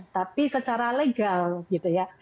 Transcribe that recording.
tapi secara legal gitu ya